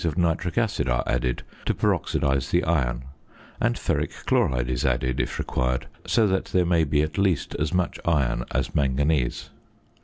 of nitric acid are added to peroxidise the iron, and ferric chloride is added if required, so that there may be at least as much iron as manganese.